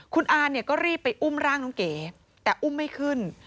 คุณอาเนี่ยก็รีบไปอุ้มร่างน้องเก๋แต่อุ้มไม่ขึ้น